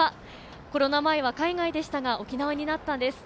コロナ前は海外でしたが沖縄になったんです。